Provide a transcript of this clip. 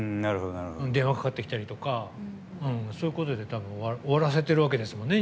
電話かかってきたりとかそういうことで終わらせてわけですもんね